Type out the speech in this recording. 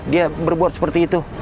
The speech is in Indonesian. dia berbuat seperti itu